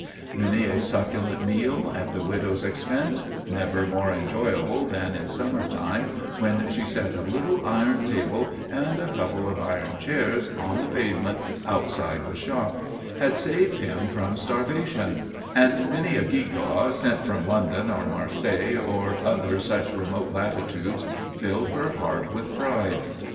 Many a succulent meal, at the widow's expense never more enjoyable than in summer time when she set a little iron table and a couple of iron chairs on the pavement outside the shop had saved him from starvation; and many a gewgaw sent from London or Marseilles or other such remote latitudes filled her heart with pride.